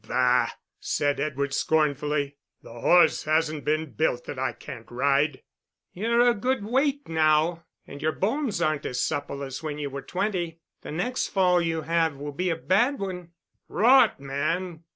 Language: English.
"Bah," said Edward, scornfully. "The horse hasn't been built that I can't ride." "You're a good weight now, and your bones aren't as supple as when you were twenty. The next fall you have will be a bad one." "Rot, man!